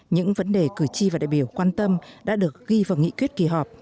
những vấn đề cử tri và đại biểu quan tâm đã được ghi vào nghị quyết kỳ họp